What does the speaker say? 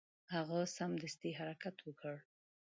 هغه سمدستي حرکت وکړ.